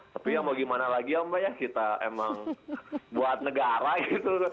tapi ya mau gimana lagi ya mbak ya kita emang buat negara gitu